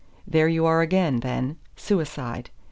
There you are again, then: suicide!